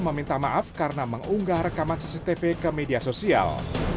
meminta maaf karena mengunggah rekaman cctv ke media sosial